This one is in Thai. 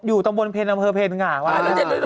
อยู่ตรงบนเพลร์อำเพลร์เพลร์ขึ้นก่อน